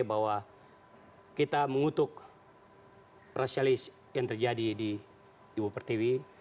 bahwa kita mengutuk rasialis yang terjadi di ibu pertiwi